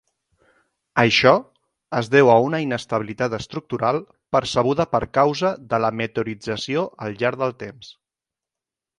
Això es deu a una inestabilitat estructural percebuda per causa de la meteorització al llarg del temps.